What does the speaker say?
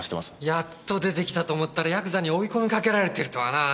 やっと出てきたと思ったらヤクザに追い込みかけられてるとはな。